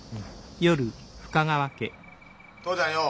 父ちゃんよ